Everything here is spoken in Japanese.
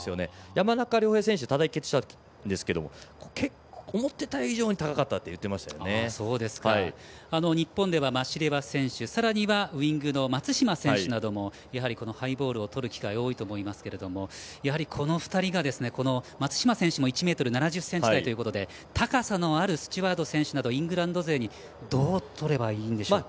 山中亮平選手が対決したときに思った以上に日本では、マシレワ選手さらにはウイングの松島選手などもやはりハイボールをとる機会多いと思いますけれどもこの２人が松島選手も１ｍ７０ｃｍ台ということで高さのあるスチュワード選手などイングランド勢にどうとればいいんでしょうか。